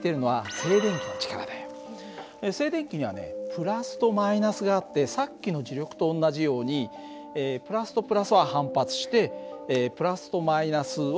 静電気にはねプラスとマイナスがあってさっきの磁力と同じようにプラスとプラスは反発してプラスとマイナスは引き合う。